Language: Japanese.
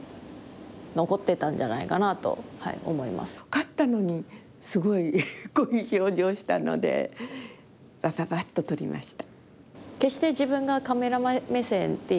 勝ったのにすごいこういう表情したのでバババッと撮りました。